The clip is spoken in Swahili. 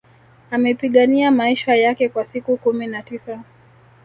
Amepigania maisha yake kwa siku kumi na tisa